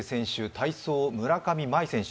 体操・村上茉愛選手